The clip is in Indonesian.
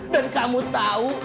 dan kamu tahu